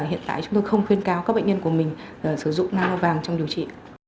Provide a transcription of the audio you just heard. hiện tại chúng tôi không khuyên cáo các bệnh nhân của mình sử dụng nano vàng trong điều trị